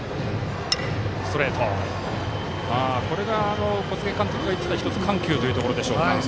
これが小菅監督が言っていた１つ、緩急というところでしょうか。